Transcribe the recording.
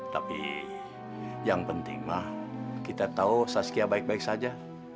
tapi yang pentinglah kita tahu saskia baik baik saja